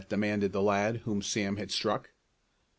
demanded the lad whom Sam had struck.